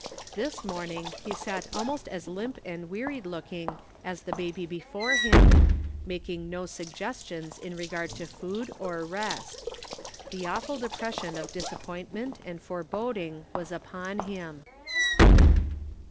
This morning he sat almost as limp and wearied looking as the baby before him, making no suggestions in regard to food or rest. The awful depression of disappointment and foreboding was upon him.